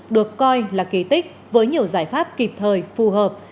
được coi là kỳ tích với nhiều giải pháp kịp thời phù hợp